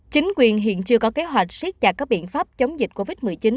chính quyền hiện chưa có kế hoạch siết chặt các biện pháp chống dịch covid một mươi chín